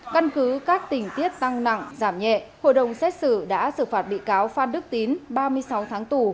căn cứ các tình tiết tăng nặng giảm nhẹ hội đồng xét xử đã xử phạt bị cáo phan đức tín ba mươi sáu tháng tù